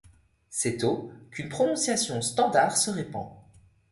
C’est au qu’une prononciation standard se répand.